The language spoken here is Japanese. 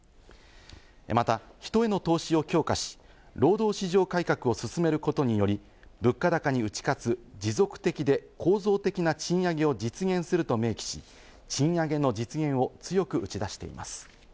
また、人への投資を強化し、労働市場改革を進めることにより、物価高に打ち勝つ、持続的で構造的な賃上げを実現すると明記し、賃上げの実現を強く打ち出しています。